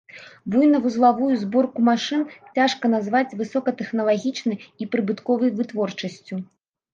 Буйнавузлавую зборку машын цяжка назваць высокатэхналагічнай і прыбытковай вытворчасцю.